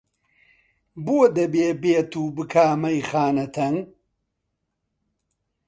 بۆ دەبێ بێت و بکا مەیخانە تەنگ؟!